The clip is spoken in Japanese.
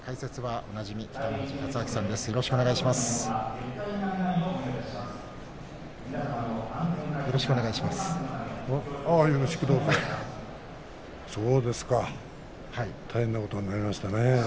そうですか大変なことになりましたね。